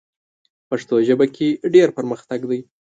پښتو ژبه کې ډېر پرمختګ دی.